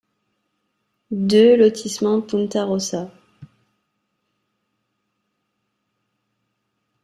deux lotissement Punta Rossa